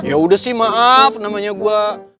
yaudah sih maaf namanya gua